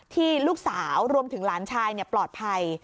ที่ลูกสาวรวมถึงหลานชายปลอดภัย